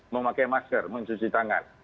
memakai masker mencuci tangan